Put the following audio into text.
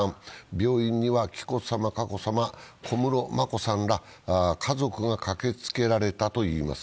病院には、紀子さま、佳子さま、小室眞子さんら家族が駆けつけられたといいます。